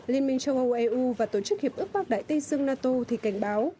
liên minh châu âu eu và tổ chức hiệp ước bắc đại tây dương nato thì cảnh báo